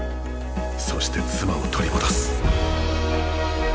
そして妻を取り戻す。